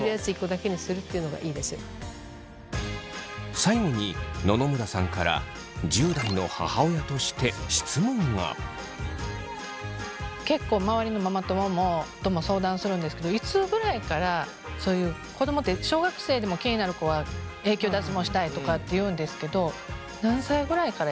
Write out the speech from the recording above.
最後に野々村さんから結構周りのママ友とも相談するんですけどいつぐらいからそういう子供って小学生でも気になる子は「永久脱毛したい」とかって言うんですけどそうですね。